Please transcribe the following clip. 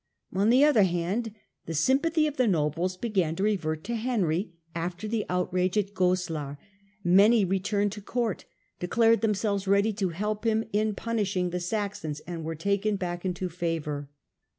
On the tjther hand, the sympathy of the nobles began to revert lo Henry after the outrage at Goslar ; many returned to court, declared themselves ready to help him in punish ing the Saxons, and were taken back into favour.